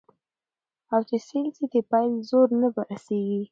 او چي سېل سي د پیل زور نه په رسیږي